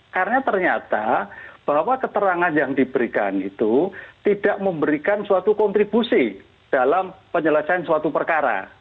karena ternyata bahwa keterangan yang diberikan itu tidak memberikan suatu kontribusi dalam penyelesaian suatu perkara